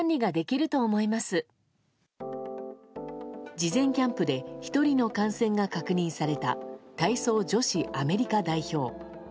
事前キャンプで１人の感染が確認された体操女子アメリカ代表。